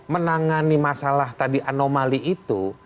menangani masalah tadi anomali itu